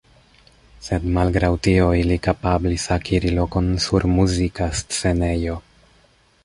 Sed malgraŭ tio ili kapablis akiri lokon sur muzika scenejo.